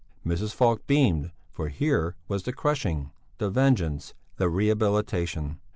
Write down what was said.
Mrs. Falk beamed, for here was the crushing, the vengeance, the rehabilitation.